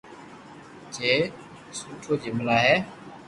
ڇي سو تو جملا ھي